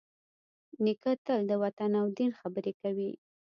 نیکه تل د وطن او دین خبرې کوي.